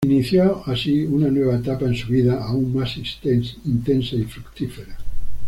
Inició así una nueva etapa en su vida, aún más intensa y fructífera.